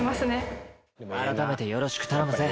改めて、よろしく頼むぜ！